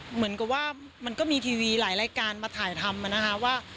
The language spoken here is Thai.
เหมือนกับว่ามันก็มีทีวีหลายรายการมาถ่ายทำนะคะว่า